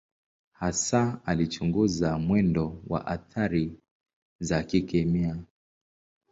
Hasa alichunguza mwendo wa athari za kikemia.